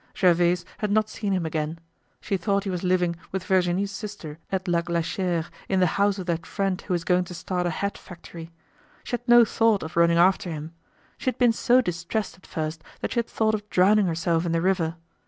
Gervaise had not seen him again; she thought he was living with Virginie's sister at La Glaciere, in the house of that friend who was going to start a hat factory. She had no thought of running after him. She had been so distressed at first that she had thought of drowning herself in the river.